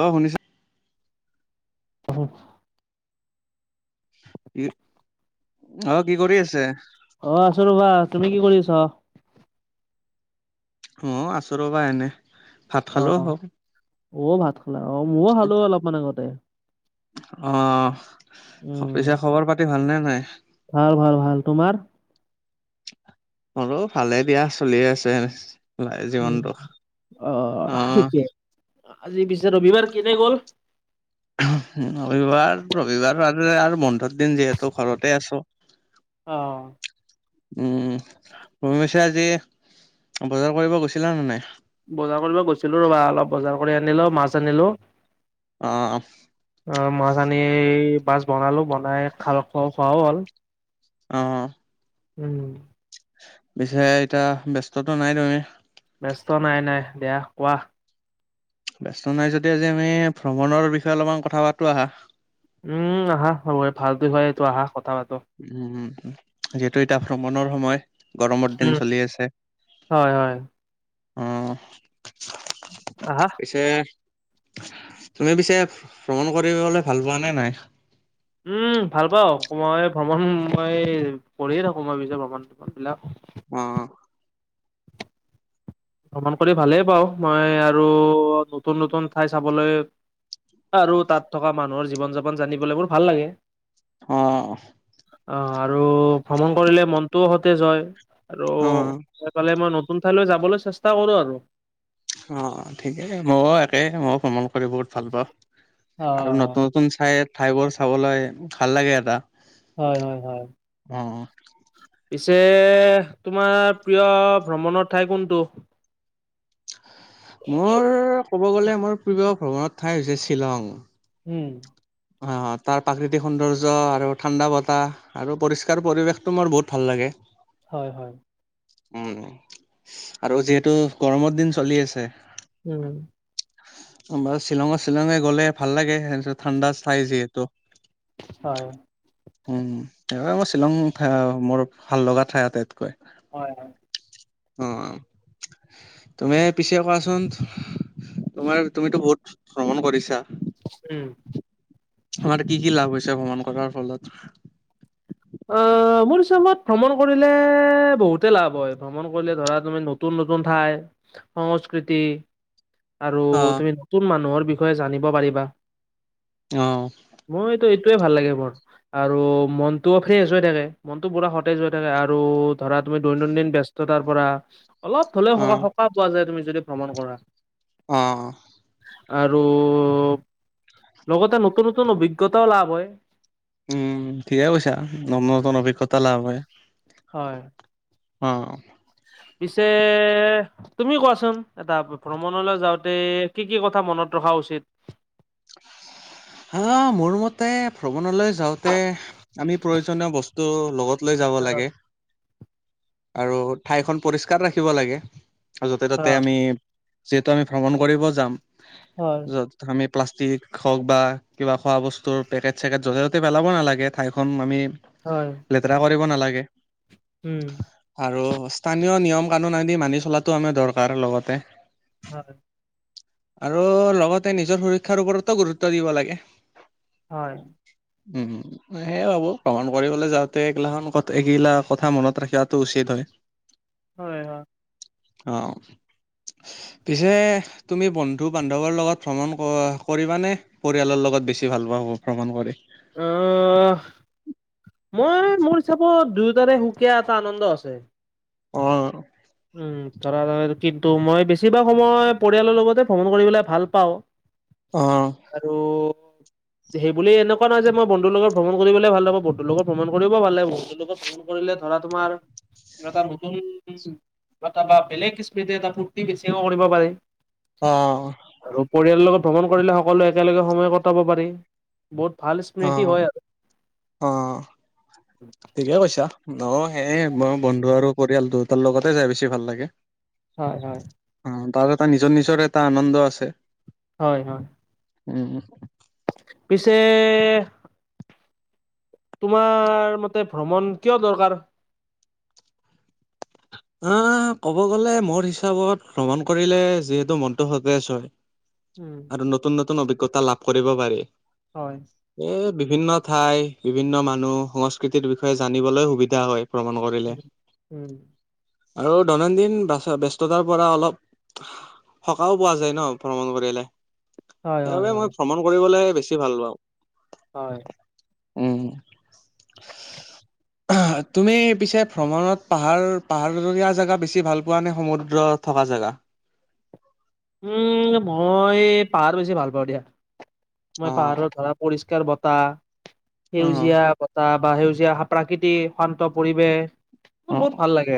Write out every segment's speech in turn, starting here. অঁ শুনিছা অহোঁ। কি অঁ কি কৰি আছে? অঁ আছো ৰবা। তুমি কি কৰি আছ? মও আছোঁ ৰবা এনেহ। অঁ অঁ, ৱ ভাত খালা অঁ মও খালো অলপমান আগতে। অহ উম পিছে খবৰ পাতি ভালনে নাই? ভাল ভাল ভাল, তোমাৰ? মোৰো ভালে দিয়া চলিয়ে আছে। উমহ, জীৱনটো অঁ অঁ অ অঁ ঠিকে আজি পিছে ৰবিবাৰ কেনে গ'ল? উমহ, ৰবিবাৰ ৰবিবাৰৰ আৰু আৰু বন্ধৰ দিন যিহেতু ঘৰতে আছোঁ। অঁ। উম তুমি পিছে আজি বজাৰ কৰিব গৈছিলা নে নাই? বজাৰ কৰিব গৈছিলো ৰবা অলপ বজাৰ কৰি আনিলো মাছ আনিলো। অঁহ। অঁ মাছ আনি মাছ বনালো বনাই খাল খোৱা খোৱাও হ'ল। অঁহ। উম। পিছে এতিয়া ব্যস্তটো নাই তুমি? ব্যস্ত নাই নাই, দিয়া কোৱা? ব্যস্ত নাই যদি আজি আমি ভ্ৰমণৰ বিষয়ে অলপমান কথা পাতো আহা। উম আহা হয় ভাল বিষয় এইটো আহা কথা পাতো। উম যিহেতু এতিয়া ভ্ৰমণৰ সময়। গৰমৰ দিন উম চলি আছে। হয় হয় অঁহ। আহা পিছে। তুমি পিছে ভ্ৰমণ কৰিবলে ভাল পোৱা নে নাই? উম ভাল পাওঁ মই ভ্ৰমণ মই কৰিয়ে থাকো মই পিছ ভ্ৰমণ [unintelligible] অ, অ। ভ্ৰমণ কৰি ভালেই পাওঁ। মই আৰু নতুন নতুন ঠাই চাবলৈ আৰু তাত থকা মানুহৰ জীৱন যাপন জানিবলৈ মোৰ ভাল লাগে। অ। অ আৰু ভ্ৰমণ কৰিলে মনটোও সতেজ হয় আৰু অ', এফালে মই নতুন ঠাইলৈ যাবলৈ চেষ্টা কৰো আৰু অ অ ঠিকেই ময়ো একেই মইও ভ্ৰমণ কৰি বহুত ভাল পাওঁ। অ আৰু নতুন নতুন চাই ঠাইবোৰ চাবলৈ ভাল লাগে এটা। হয়, হয়, হয়। অ'। পিছে তোমাৰ প্ৰিয় ভ্ৰমণৰ ঠাই কোনটো? মোৰ ক'ব গ'লে মোৰ প্ৰিয় ভ্ৰমণৰ ঠাই হৈছে শ্বিলং উম। তাৰ প্ৰাকৃতিক সৌন্দৰ্য আৰু ঠাণ্ডা বতাহ আৰু পৰিষ্কাৰ পৰিৱেশটো মোৰ বহুত ভাল লাগে। হয়, হয়। উম আৰু যিহেতু গৰমৰ দিন চলি আছে- উম। বা শ্বিলঙৰ শ্বিলঙে গ'লে ভাল লাগে সেইটো ঠাণ্ডা ঠাই যিহেতু। হয়। উম সেইবাবে মই শ্বিলং মোৰ ভাল লগা ঠাই আটাইতকৈ। হয়, হয়। অ তুমি পিছে কোৱাচোন তোমাৰ তুমিতো বহুত ভ্ৰমণ কৰিছা উম! তোমাৰ কি কি লাভ হৈছে ভ্ৰমণ কৰাৰ ফলত? আঃ মোৰ হিচাপত ভ্ৰমণ কৰিলে এ বহুতে লাভ হয়, ভ্ৰমণ কৰিলে ধৰা তুমি নতুন নতুন ঠাইত সংস্কৃতি আৰু অ', তুমি নতুন মানুহৰ বিষয়ে জানিব পাৰিবা। অহ। মইতো এইটোয়ে ভাল লাগে মোৰ আৰু মন তটো ফ্ৰেছ হৈ থাকে মনতটো পুৰা সতেজ হৈ থাকে আৰু ধৰা তুমি দৈনন্দিন ব্যস্ততাৰ পৰা অলপ হলেও অ'। সকাহ পোৱা যায় তুমি যদি ভ্ৰমণ কৰা অ। আৰু লগতে নতুন-নতুন অভিজ্ঞতাও লাভ হয়। উম, ঠিকে কৈছা ন নতুন অভিজ্ঞতা লাভ হয়। হয়। অঁ পিছে তুমি কোৱাচোন এটা ভ্ৰমণলৈ যাওঁতে কি কি কথা মনত ৰখা উচিত? [unintelligible] হাঁ মোৰ মতে ভ্ৰমণলৈ যাওঁতে আমি প্ৰয়োজনীয় বস্তু লগত লৈ যাব অ' লাগে আৰু ঠাইখন পৰিষ্কাৰ ৰাখিব লাগে। য'তে ত'তে অ', আমি- যিহেতু আমি ভ্ৰমণ কৰিব যাম, হয়, য'ত আমি প্লাষ্টিক হওক বা কিবা খোৱা বস্তুৰ পেকেট চেকেট য'তে ত'তে পেলাব নালাগে ঠাইখন আমি হয়। লেতেৰা কৰিব নালাগে। উম! আৰু স্থানীয় নিয়ম-কানুন আদি মানি চলাটো আমাৰ দৰকাৰ লগতে [unintelligible] আৰু লগতে নিজৰ সুৰক্ষাৰ ওপৰতো গুৰুত্ব দিব লাগে। হয়। উম, হুম। সেয়ে ভাবো ভ্ৰমণ কৰিবলৈ যাওঁতে এইগিলাখন কত এইগিলা কথা মনত ৰাখিয়াটো উচিত হয়। [unintelligible] হয়, হয়। অ। পিছে তুমি বন্ধু-বান্ধৱৰ লগত ভ্ৰমণ ক কৰিবা নে পৰিয়ালৰ লগত বেছি ভাল পোৱা ভ্ৰমণ কৰি? অহ মই মোৰ হিচাপত দুয়োটাৰে সুকীয়া এটা আনন্দ আছে। অ। উম ধৰা ৰয় কিন্তু মই বেছিভাগ সময় পৰিয়ালৰ লগতে ভ্ৰমণ কৰিব পেলাই ভাল পাওঁ। অ আৰু সেইবুলি এনেকুৱা ন'হয় যে মই বন্ধুৰ লগত ভ্ৰমণ কৰিবলে ভাল নাপাও। বন্ধু লগত ভ্ৰমণ কৰিব ভাল লাগে। বন্ধু লগত ভ্ৰম কৰিলে ধৰা তোমাৰ এটা নতুন বা তাবা বেলেগ কিস্মিতে এটা ফূৰ্তি বেছিকৈ কৰিব পাৰিম। অ। আৰু পৰিয়ালৰ লগত ভ্ৰমণ কৰিলে সকলোৱে একেলগে সময় কটাব পাৰি। বহুত ভাল স্মৃতি হয় আৰু। অ। [unintelligible] ঠিকে কৈছা। ন সে মই বন্ধু আৰু পৰিয়াল দুয়োটাৰ লগতে যাই বেছি ভাল লাগে। হয়, হয়। অ তাৰ এটা নিজৰ নিজৰ এটা আনন্দ আছে। হয়, হয়। উম। পিছে তোমাৰ মতে ভ্ৰমণ কিয় দৰকাৰ? অঁ, ক'ব গ'লে মোৰ হিচাপত ভ্ৰমণ কৰিলে যিহেতু মনটো সতেজ হয়। উম। আৰু নতুন নতুন অভিজ্ঞতা লাভ কৰিব পাৰি। হয়। এ বিভিন্ন ঠাই, বিভিন্ন মানুহ, সংস্কৃতিৰ বিষয়ে জানিবলৈ সুবিধা হয় ভ্ৰমণ কৰি উম, উম। আৰু দৈনন্দিন বাচ ব্যস্ততাৰ পৰা অলপ সকাও পোৱা যায় ন ভ্ৰমণ কৰিলে। হয় হয় সেইবাবে হয় মই ভ্ৰমণ কৰিবলৈহে বেছি ভাল পাওঁ। হয়। উম। তুমি পিছে ভ্ৰমণত পাহাৰ পাহাৰীয়া জেগা বেছি ভাল পোৱা নে সমুদ্ৰ থকা জেগা? উম মই পাহাৰ বেছি ভাল পাওঁ দিয়া। মই অ', পাহাৰত ধৰা পৰিষ্কাৰ বতাহ, অ', সেউজীয়া ব তাহ বা সেউজীয়া প্ৰাকৃতিক শান্ত পৰিৱেশ। মোৰ অ', বহুত ভাল লাগে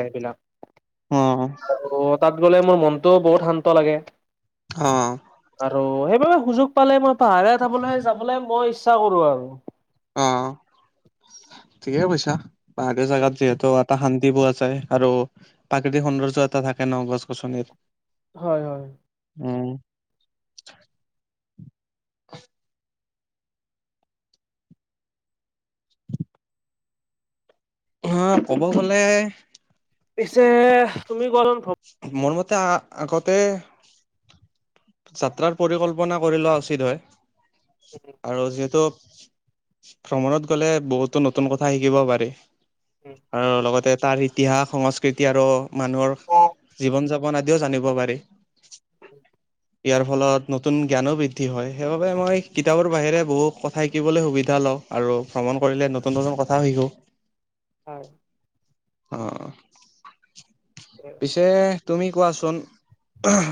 অ', সেইবিলাক আৰু তাত গ'লে মোৰ মনটোও বহুত শান্ত লাগে। অ। আৰু সেইবাবে সুযোগ পালে মই পাহাৰে [unintelligible] যাবলৈ মই ইচ্ছা কৰো আৰু। অ ঠিকে কৈছা। পাহাৰীয়া জেগাত যিহেতু টা শান্তি পোৱা যায় আৰু প্ৰাকৃতিক সৌন্দৰ্য এটা থাকে ন গছ গছনিৰ। হয় হয়। উম। অহ ক'ব গ'লে? পিছেহ তুমি কোৱাচোন? ভ্ৰ মোৰ মতে আ আগতে যাত্ৰাৰ পৰিকল্পনা কৰি লোৱা উচিত হয়, আৰু যিহেতু ভ্ৰমণত গ'লে বহুতো নতুন কথা শিকিব পাৰি। আৰু লগতে তাৰ ইতিহাস সংস্কৃতি আৰু মানুহৰ জীৱন যাপন আদিও জানিব পাৰি। হয়। ইয়াৰ ফলত নতুন জ্ঞানো বৃদ্ধি হয়। সেইবাবে মই কিতাপৰ বাহিৰে বহু কথা শিকিবলে সুবিধা লওঁ। আৰু ভ্ৰমণ কৰিলে নতুন নতুন কথাও শিকো। হয়। অঁহ। পিছে তুমি কোৱাচোন? অহ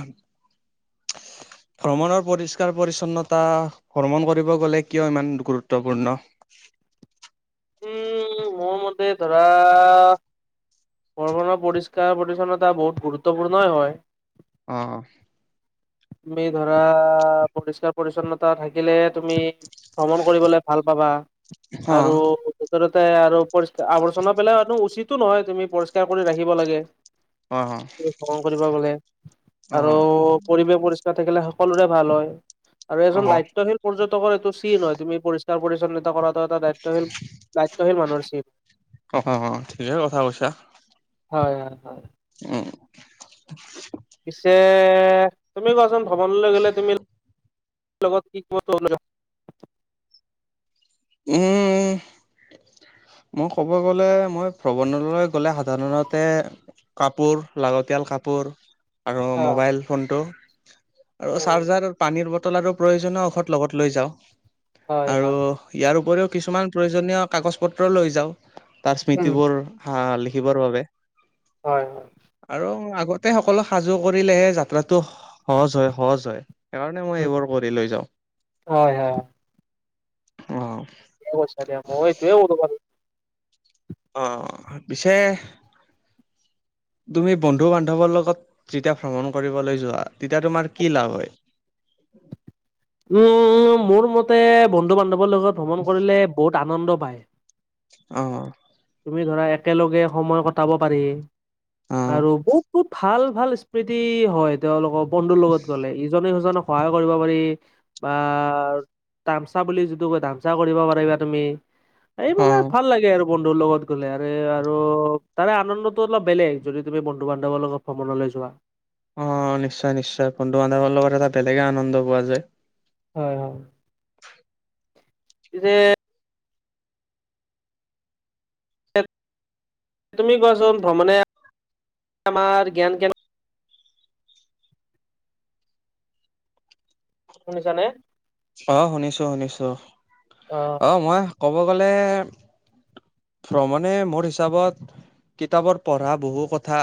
ভ্ৰমণৰ পৰিস্কাৰ পৰিছন্নতা ভ্ৰমণ কৰিব গ'লে কিয় ইমান গুৰুত্বপূৰ্ণ? উম মোৰ মতে ধৰা ভ্ৰমণৰ পৰিস্কাৰ পৰিছন্নতা বহুত গুৰুত্বপুৰ্ণই হয়। অঁ‌হ। তুমি ধৰা পৰিষ্কাৰ পৰিছন্নতা থাকিলে তুমি ভ্ৰমণ কৰিবলে ভাল পাবা অ আৰু ভিতৰতে আৰু পৰিস্কাৰ আৱৰ্জনা পেলাই ৱাটো উচিতো নহয় তুমি পৰিস্কাৰ কৰি ৰাখিব লাগে। হয় হ তুমি ভ্ৰমণ কৰিব গ'লে। অহ। পৰিস্কাৰ থাকিলে সকলোৰে ভাল হয় আৰু অ এজন অ দায়িত্বশীল পৰ্যটকৰ এইটো চিন হয়, তুমি পৰিস্কাৰ পৰিছন্নত কৰাটো এটা দায়িত্বশীল দায়িত্বশীল মানুহৰ চিন। অঁ হ হ ঠিকে কথা কৈছা। হয় হয় হয়। উম। পিছে তুমি কোৱাচোন ভ্ৰমণলে গ'লে তুমি লগত কি [unintelligible] ক? উমহো মই ক'ব গ'লে মই ভ্ৰমণলৈ গ'লে সাধাৰণতে কাপোৰ লাগতিয়াল কাপোৰ আৰু অ', মোবাইল ফোনটো আৰু উম, চাৰ্জাৰ পানীৰ ব টল আৰু প্ৰয়োজনীয় ঔষধ লগত লৈ যাওঁ। হয়, আৰু হয়, ইয়াৰ উপৰিও কিছুমান প্ৰয়োজনীয় কাগজ পত্ৰ লৈ যাওঁ তাৰ উম, স্মৃতিবোৰ। হা লিখিবৰ বাবে। হয় হয়। আৰু আগতে সকলো সাজু কৰিলেহে যাত্ৰাটো সহজ হয়, সহজ হয়। সেইকাৰণে মই উম, এইবোৰ কৰি লৈ যাওঁ। হয় হয়। অঁ। অ চ দে আমইটোো [unintelligible] অঁ হ হ পিছে। তুমি বন্ধু বান্ধৱৰ লগত যেতিয়া ভ্ৰমণ কৰিবলৈ যোৱা তেতিয়া তোমাৰ কি লাভ হয়। উমম মোৰ মতে বন্ধু বান্ধৱৰ লগত ভ্ৰমণ কৰিলে বহুত আনন্দ পায়। অহ। তুমি ধৰা একেলগে সময় কটাব পাৰি। অ আৰু বহুত- বহুত, ভাল -ভাল স্মৃতি হয়। তেওঁলোকৰ বন্ধুৰ লগত গ'লে ইজনে সিজনেক সহায় কৰিব পাৰি। বা তামচা বুলি যিটো কয় ধামচা কৰিব পাৰিবা তুমি অ এইবাবে ভাল লাগে আৰু। বন্ধুৰ লগত গ'লে আৰুৰে আৰু তাৰে আনন্দটো অলপ বেলেগ যদি তুমি বন্ধু বান্ধৱৰ লগত ভ্ৰমণলৈ যোৱা। অ, নিশ্চয়- নিশ্চয় বন্ধু -বান্ধৱৰ লগত এটা বেলেগে আনন্দ পোৱা যায়। হয় হয়। [unintelligible] দে। তুমি কোৱাচোন ভ্ৰমণে আমাৰ জ্ঞান কেন শুনিছানে? অ, শুনিছো -শুনিছো অ, মই ক'ব গলে ভ্ৰমণে মোৰ হিচাপত কিতাপত পঢ়া বহু কথা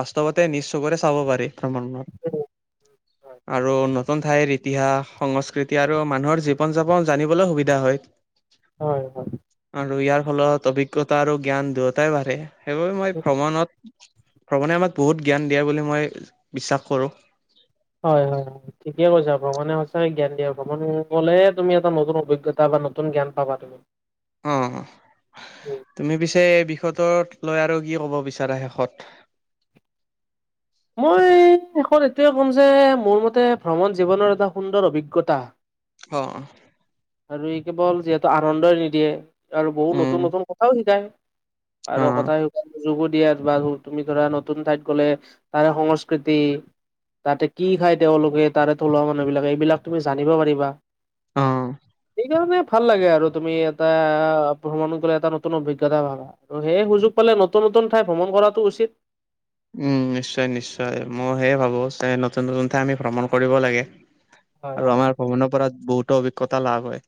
বাস্তৱতে নিচ চকুৰে চাব পাৰি। [unintelligible] আৰু ন নতুন ঠাইৰ ইতিহাস সংস্কৃতি আৰু মানুহৰ জীৱন যাপন জানিবলৈ সুবিধা হয়। হয় -হয়। আৰু ইয়াৰ ফলত অভিজ্ঞতা আৰু জ্ঞান দুয়োটাই বাঢ়ে সেইবাবে মই ভ্ৰমণত ভ্ৰমণে আমাক বহুত জ্ঞান দিয়ে বুলি মই বিশ্বাস কৰোঁ। হয় -হয় -হয়। ঠিকে কৈছা ভ্ৰমণে সঁচাকে জ্ঞান দিয়া ভ্ৰমণ ক'লে তুমি এটা নতুন অভিজ্ঞতা বা নতুন জ্ঞান পাবা তুমি। অ, তুমি পিছে এই বিষয়টো লৈ আৰু কি ক'ব বিচাৰা শেষত। মই শেষত এইটোৱে ক'ম যে মোৰ মতে ভ্ৰমণ জীৱনৰ এটা সুন্দৰ অভিজ্ঞতা। অ', অ', আৰু ই কেৱল যিহেতু আনন্দই নিদিয়ে আৰু বহুত উম, নতুন- নতুন কথাও শিকায় আৰু অ', কথা [unintelligible] যোগো দিয়া আৰ বা তুমি ধৰা নতুন ঠাইত গ'লে তাৰে সংস্কৃতি তাতে কি খাই তেওঁলোকে তাৰে থলুৱা মানুহ বিলাকে এইবিলাক তুমি জানিব পাৰিবা। অ', সেইকাৰনে ভাল লাগে আৰু তুমি এটা ভ্ৰমণলে এটা নতুন অভিজ্ঞতা ভাবা। ত'সেয়ে সুযোগ পালে -নতুন নতুন ঠাই ভ্ৰমণ কৰাটো উচিত। উম, নিশ্চয়- নিশ্চয় মইও ভাবো যে নতুন- নতুন আমি ভ্ৰমণ কৰিব লাগে। হয় আৰু হয় আমাৰ ভ্ৰমণৰ পৰা বহুতো অভিজ্ঞতা লাভ হয়।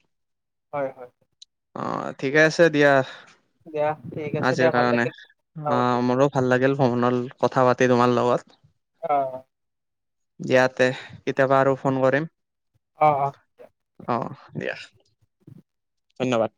হয়- হয়। অ, ঠিকে আছে দিয়া দিয়া ঠিক আছে দিয়া আজিৰ ভাল কাৰণে লাগিল কথা অ, পাতি মোৰো ভাল লাগিল ভ্ৰমণত কথা পাতি তোমাৰ লগত। অ', দিয়া তে কেতিয়াবা আৰু ফোন কৰিম। অ', অ', অ, দিয়া ধন্যবাদ।।